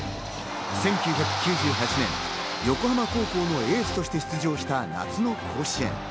１９９８年、横浜高校のエースとして出場した夏の甲子園。